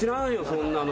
そんなの。